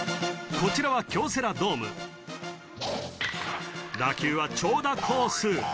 こちらは京セラドーム打球は長打コース